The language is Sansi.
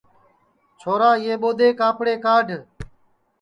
چھورا یہ ٻودَے کاپڑے کاڈھ